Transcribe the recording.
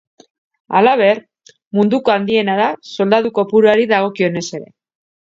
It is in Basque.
Halaber, Munduko handiena da soldadu kopuruari dagokionez ere.